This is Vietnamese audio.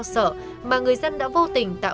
ở đó mình có biết n arthda